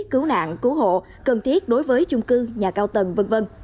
cứu nạn cứu hộ cần thiết đối với chung cư nhà cao tầng v v